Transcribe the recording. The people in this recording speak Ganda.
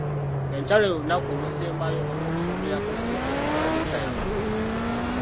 Enkya lwe lunaku olusembayo olw'okusonderako ssente mu kkanisa yaffe.